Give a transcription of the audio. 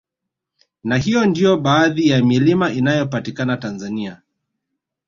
Na hiyo ndiyo baadhi ya milima inayopatikana Tanzania